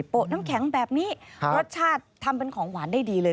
น้ำแข็งแบบนี้รสชาติทำเป็นของหวานได้ดีเลย